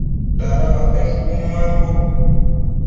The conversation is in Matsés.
Dadauate shubu nuambo